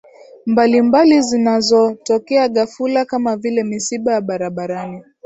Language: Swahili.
mbalimbali zinazotokea ghafula kama vile misiba ya barabarani